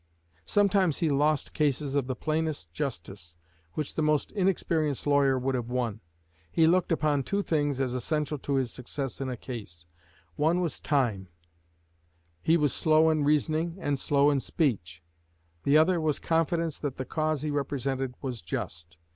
Sometimes he lost cases of the plainest justice which the most inexperienced lawyer could have won. He looked upon two things as essential to his success in a case. One was time; he was slow in reasoning and slow in speech. The other was confidence that the cause he represented was just.